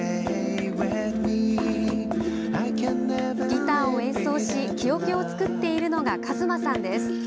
ギターを演奏し木おけを作っているのがかずまさんです。